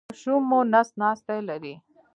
ماشوم مو نس ناستی لري؟